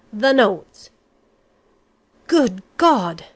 "The notes!" "Good God!"